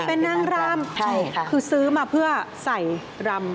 เป็นนางรำคือซื้อมาเพื่อใส่รำ